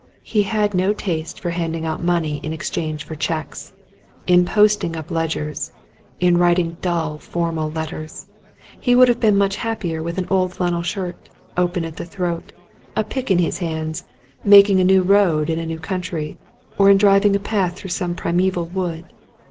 He had no taste for handing out money in exchange for cheques, in posting up ledgers, in writing dull, formal letters. He would have been much happier with an old flannel shirt, open at the throat, a pick in his hands, making a new road in a new country, or in driving a path through some primeval wood.